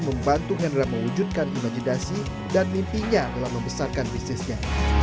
membantu hendra mewujudkan imajinasi dan mimpinya dalam membesarkan bisnisnya